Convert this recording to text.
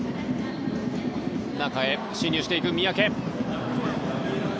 中へ進入していく。